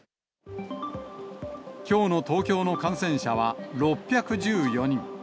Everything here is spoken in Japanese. きょうの東京の感染者は６１４人。